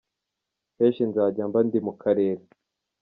Kenshi nzajya mba ndi mu karere.